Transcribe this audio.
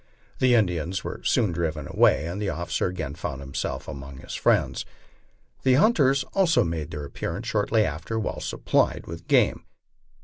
The Indians were soon driven away and the officer again found himself among his friends. The hunters also made their appearance shortly after, well supplied with game.